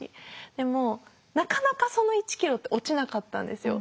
でもなかなかその１ｋｇって落ちなかったんですよ。